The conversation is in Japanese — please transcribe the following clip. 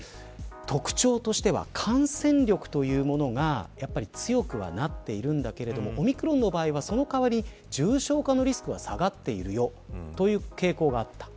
特徴としては感染力というものがやっぱり強くはなっているんだけれどもオミクロンの場合はその代わり重症化リスクは下がっているよという傾向があった。